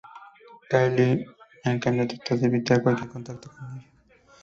Kyle, en cambio, trata de evitar cualquier contacto con ella.